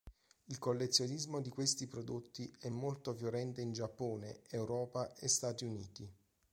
Il collezionismo di questi prodotti è molto fiorente in Giappone, Europa e Stati Uniti.